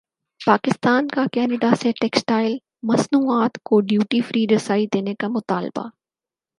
پاکستان کاکینیڈا سے ٹیکسٹائل مصنوعات کو ڈیوٹی فری رسائی دینے کامطالبہ